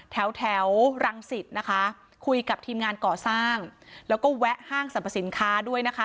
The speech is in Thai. แถวแถวรังสิตนะคะคุยกับทีมงานก่อสร้างแล้วก็แวะห้างสรรพสินค้าด้วยนะคะ